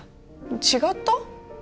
違った？